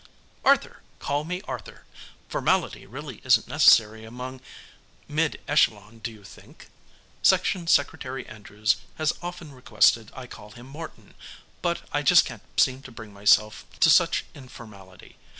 "Arthur. Call me Arthur. Formality really isn't necessary among Mid Echelon, do you think? Section Secretary Andrews has often requested I call him Morton, but I just can't seem to bring myself to such informality.